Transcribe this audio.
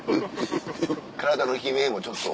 体の悲鳴もちょっと。